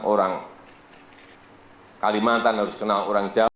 orang kalimantan harus kenal orang jawa